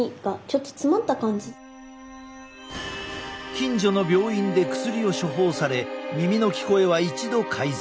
近所の病院で薬を処方され耳の聞こえは一度改善。